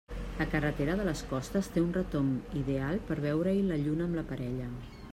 La carretera de les Costes té un retomb ideal per veure-hi la lluna amb la parella.